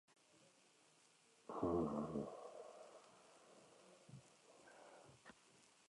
Originalmente el balón era de cuero relleno de plumas y de pelo enrollado.